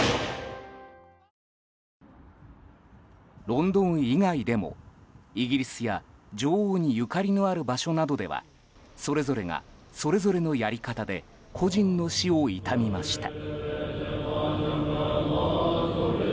ロンドン以外でも、イギリスや女王にゆかりのある場所などではそれぞれが、それぞれのやり方で故人の死を悼みました。